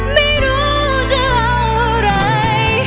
ไม่รู้จะเอาอะไร